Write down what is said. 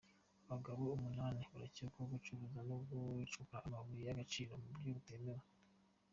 Abagabo umunani barakekwaho gucuruza no gucukura amabuye y’agaciro ku buryo butemewe